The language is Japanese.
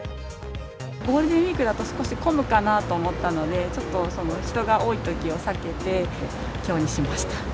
ゴールデンウィークだと少し混むかなと思ったので、ちょっと人が多いときを避けてきょうにしました。